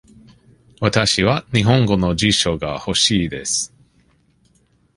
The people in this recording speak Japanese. わたしは日本語の辞書が欲しいです。